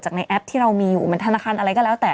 ในแอปที่เรามีอยู่เหมือนธนาคารอะไรก็แล้วแต่